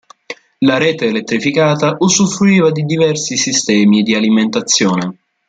La rete elettrificata usufruiva di diversi sistemi di alimentazione.